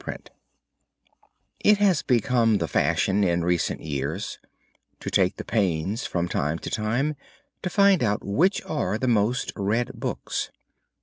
] It has become the fashion in recent years, to take the pains from time to time to find out which are the most read books.